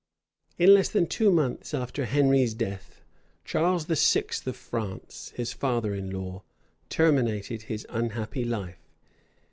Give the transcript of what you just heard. * T. Livii, p. 4. In less than two months after Henry's death, Charles VI. of France, his father in law, terminated his unhappy life.